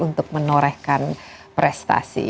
untuk menorehkan prestasi